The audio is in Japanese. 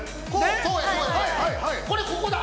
◆これここだ。